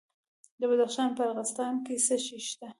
د بدخشان په راغستان کې څه شی شته؟